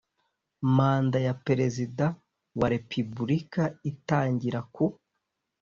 Manda ya Perezida wa Repubulika itangira ku